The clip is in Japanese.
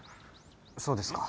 そうですか。